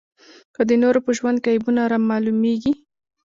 که د نورو په ژوند کې عیبونه رامعلومېږي.